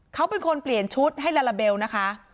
เขาเป็นคนเปลี่ยนชุดให้ลาลาเบลนะคะ